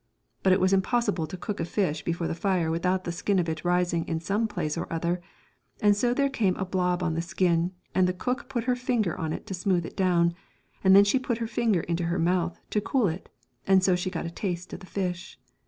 But it is impossible to cook a fish before the fire without the skin of it rising in some place or other, and so there came a blob on the skin, and the cook put her finger on it to smooth it down, and then she put her finger into her mouth to cool it, and so she got a taste of the fish.